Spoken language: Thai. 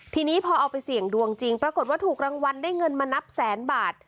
ทีนี้พอเอาไปเสี่ยงดวงจริงปรากฏว่าถูกรางวัลได้เงินมานับแสนบาท